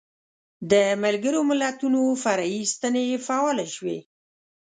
د ملګرو ملتونو فرعي ستنې فعالې شوې.